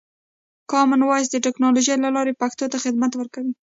کامن وایس د ټکنالوژۍ له لارې پښتو ته خدمت ورکوي.